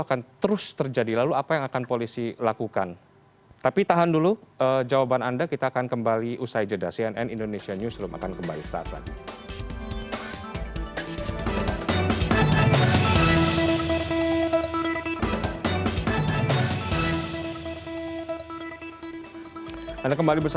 atau apa namanya